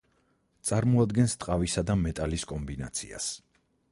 წარმოადგენს ტყავისა და მეტალის კომბინაციას.